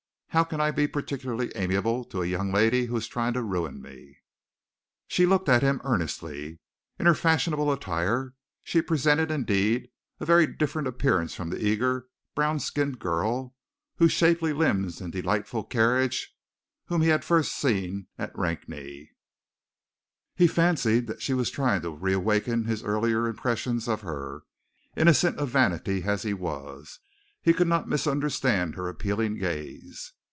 "How can I be particularly amiable to a young lady who is trying to ruin me?" She looked at him earnestly. In her fashionable attire she presented, indeed, a very different appearance from the eager, brown skinned girl, with the shapely limbs and delightful carriage, whom he had first seen at Rakney. Yet he fancied that she was trying to reawaken his earlier impressions of her, innocent of vanity as he was, he could not misunderstand her appealing gaze!